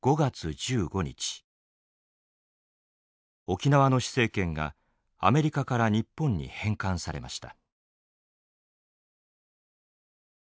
沖縄の施政権がアメリカから日本に返還されました。